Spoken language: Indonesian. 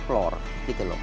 dan olahraga ini kan ekstrim